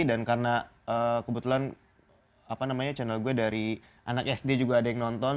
dan karena kebetulan channel gue dari anak sd juga ada yang nonton